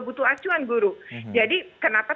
butuh acuan guru jadi kenapa